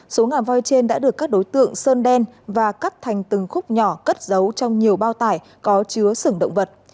số ngà voi trên đã được các đối tượng sơn đen và cắt thành từng khúc nhỏ cất giấu trong nhiều bao tải có chứa sừng động vật